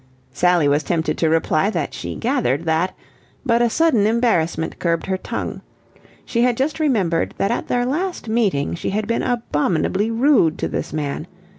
Sally was tempted to reply that she gathered that, but a sudden embarrassment curbed her tongue. She had just remembered that at their last meeting she had been abominably rude to this man.